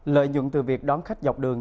lợi nhuận từ việc đón khách dọc đường